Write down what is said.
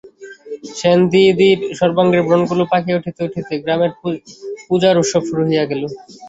সেনদিদির সর্বাঙ্গে ব্রনগুলি পাকিয়া উঠিতে উঠিতে গ্রামের পূজার উৎসব শুরু হইয়া গেল।